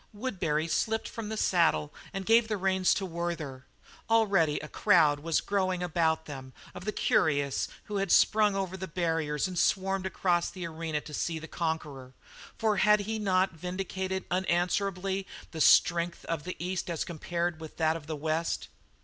Woodbury slipped from the saddle and gave the reins to Werther. Already a crowd was growing about them of the curious who had sprung over the barriers and swarmed across the arena to see the conqueror, for had he not vindicated unanswerably the strength of the East as compared with that of the West?